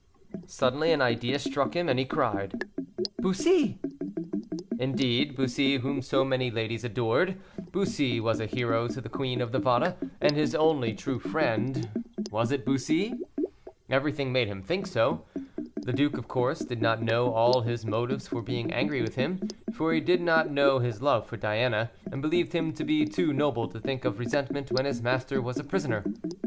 Suddenly an idea struck him, and he cried, "Bussy!" Indeed, Bussy, whom so many ladies adored, Bussy was a hero to the Queen of Navarre, and his only true friend was it Bussy? Everything made him think so. The duke, of course, did not know all his motives for being angry with him, for he did not know his love for Diana, and believed him to be too noble to think of resentment when his master was a prisoner.